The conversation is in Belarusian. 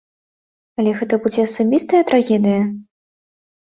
Але гэта будзе асабістая трагедыя?